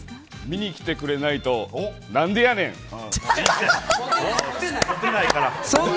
見に来てくれないと何でやねん！